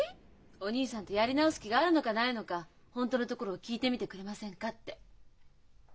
・お義兄さんとやり直す気があるのかないのか本当のところを聞いてみてくれませんかって。